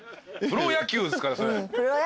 プロ野球ですから。